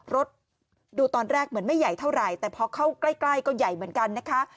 รถดูตอนแรกเหมือนไม่ใหญ่เท่าไหร่แต่พอเข้าใกล้ก็ใหญ่เหมือนกันนะคะ